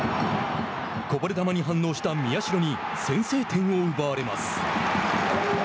こぼれ球に反応した宮代に先制点を奪われます。